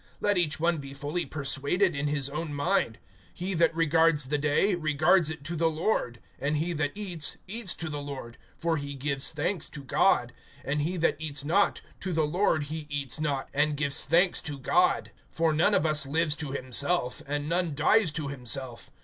Let each one be fully persuaded in his own mind. (6)He that regards the day, regards it to the Lord; and he that eats, eats to the Lord, for he gives thanks to God; and he that eats not, to the Lord he eats not, and gives thanks to God. (7)For none of us lives to himself, and none dies to himself.